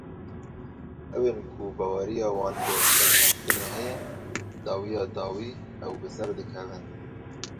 Ew ên ku baweriya wan bi serkeftinê heye, dawiya dawî ew bi ser dikevin.